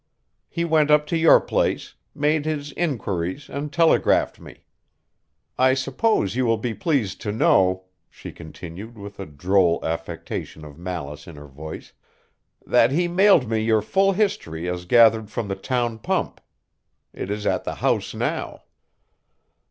He went up to your place, made his inquiries and telegraphed me. I suppose you will be pleased to know," she continued with a droll affectation of malice in her voice, "that he mailed me your full history as gathered from the town pump. It is at the house now."